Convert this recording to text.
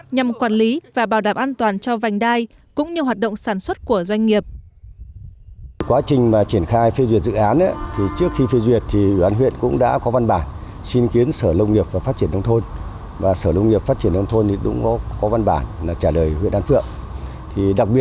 nhằm quản lý và bảo đảm an toàn cho vành đai